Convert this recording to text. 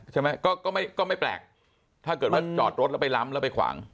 ใช่ไหมก็ไม่ก็ไม่แปลกถ้าเกิดว่าจอดรถแล้วไปล้ำแล้วไปขวาง